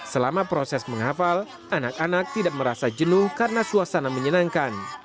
selama proses menghafal anak anak tidak merasa jenuh karena suasana menyenangkan